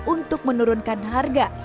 untuk menurunkan harga